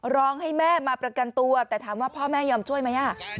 ร้องให้แม่มาประกันตัวแต่ถามว่าพ่อแม่ยอมช่วยไหม